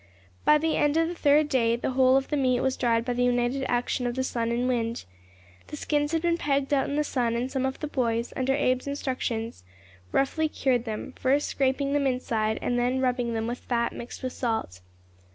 By the end of the third day the whole of the meat was dried by the united action of the sun and wind. The skins had been pegged out in the sun, and some of the boys, under Abe's instructions, roughly cured them, first scraping them inside, and then rubbing them with fat mixed with salt.